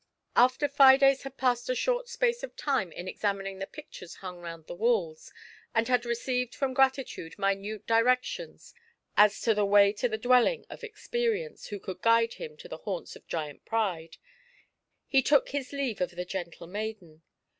After Fides had passed a short space of time in examining the pictures hxmg roxmd the walls, and had received from Gratitude minute directions as to the way to the dwelling of Experience, who could guide him to the haunts of Giant Pride, he took; his leave of the gentle maiden.